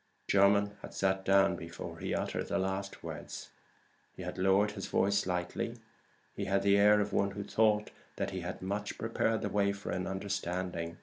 Jermyn had sat down before he uttered the last words. He had lowered his voice slightly. He had the air of one who thought that he had prepared the way for an understanding.